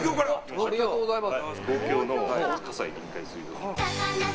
ありがとうございます！